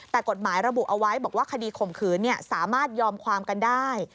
แต่กฎหมายระบุเอาไว้บอกว่าคดีข่มขืนสามารถยอมความกันได้